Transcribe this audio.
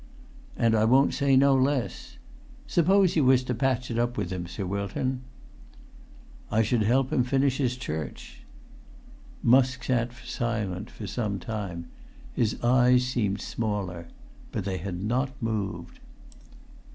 "And I won't say no less ... Suppose you was to patch it up with him, Sir Wilton?" "I should help him finish his church." Musk sat silent for some time. His eyes seemed smaller. But they had not moved.